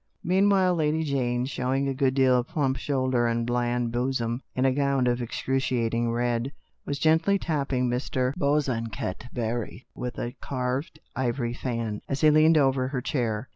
Meanwhile Lady Jane, showing a good deal of plump shoulder and bland bosom, in a gown of excruciating red, was gently tap ping Mr. Bosanquet Barry with a carved ivory fan, as he leaned over her chair.